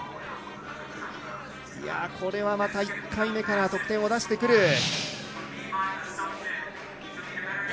これは１回目から得点を出してくる。